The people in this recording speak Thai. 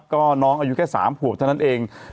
ก็น้องอายุแค่๓ขวบเท่านั้นเอง